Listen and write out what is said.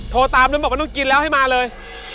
โทรตามนู้นบอกว่าต้องกินแล้วให้มาเลย